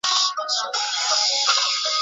楚王想知道他是否思念越国。